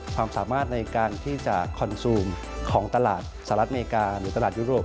ความสามารถในการที่จะคอนซูมของตลาดสหรัฐอเมริกาหรือตลาดยุโรป